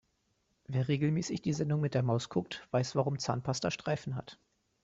Wer regelmäßig die Sendung mit der Maus guckt, weiß warum Zahnpasta Streifen hat.